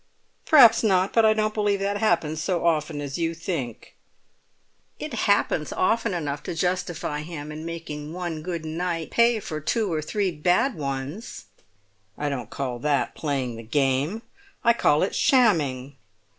"Perhaps not; but I don't believe that happens so often as you think." "It happens often enough to justify him in making one good night pay for two or three bad ones." "I don't call that playing the game. I call it shamming."